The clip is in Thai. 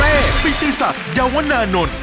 ปิติศักดิ์ยาวนานนท์